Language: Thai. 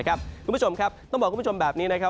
คุณผู้ชมครับต้องบอกคุณผู้ชมแบบนี้นะครับ